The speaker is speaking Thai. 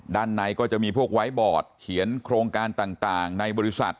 ด้านในก็จะมีพวกไว้บอร์ดเขียนโครงการต่างในบริษัท